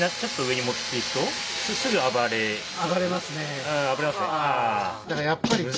暴れますね。